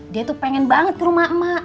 dia tuh pengen banget ke rumah emak emak